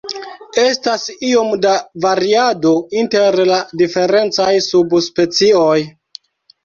Estas iom da variado inter la diferencaj subspecioj.